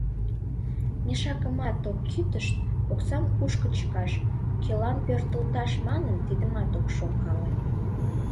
Мешакымат ок кӱтышт, оксам кушко чыкаш, кӧлан пӧртылташ манын, тидымат ок шонкале.